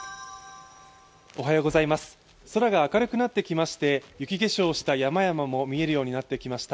空が明るくなってきまして雪化粧をした山々も見えるようになってきました。